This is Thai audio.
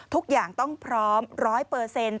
ทุกอย่างต้องพร้อมร้อยเปอร์เซ็นต์